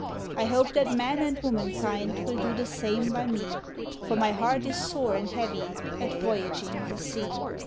I hope that man and womankind will do the same by me; For my heart is sore and heavy at voyaging the sea.